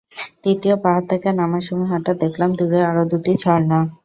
দ্বিতীয় পাহাড় থেকে নামার সময় হঠাৎ দেখলাম দূরে আরও দুটি ঝরনা।